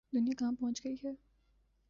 دنیا کہاں پہنچ گئی ہے۔